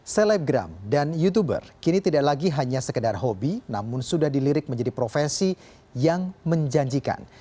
selebgram dan youtuber kini tidak lagi hanya sekedar hobi namun sudah dilirik menjadi profesi yang menjanjikan